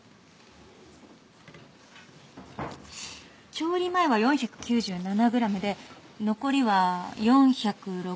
調理前は４９７グラムで残りは４６９グラムなので。